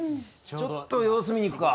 ちょっと様子見に行くか。